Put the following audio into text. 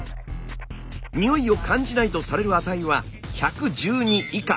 においを感じないとされる値は１１２以下。